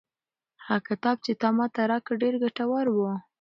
هغه کتاب چې تا ماته راکړ ډېر ګټور و.